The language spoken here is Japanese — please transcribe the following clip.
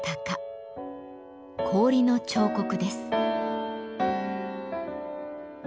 氷の彫刻です。